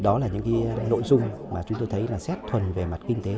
đó là những cái nội dung mà chúng tôi thấy là xét thuần về mặt kinh tế